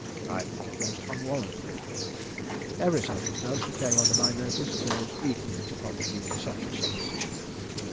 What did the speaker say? I think it most unwarrantable. Every circumstance that came under my notice goes equally to contravene such a supposition.